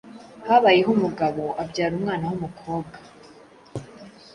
Habayeho umugabo abyara umwana w’umukobwa